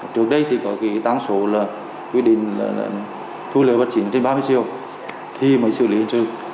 trước đây có tán số quy định thu lợi bất chỉnh trên ba mươi triệu thì mới xử lý hành trừ